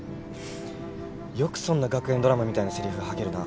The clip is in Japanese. よくそんな学園ドラマみたいなせりふ吐けるな。